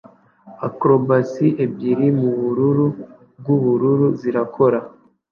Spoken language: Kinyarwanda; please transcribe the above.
Acrobats ebyiri mubururu bwubururu zirakora